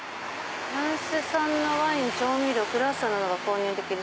「フランス産のワイン調味料クロワッサン等が購入できる。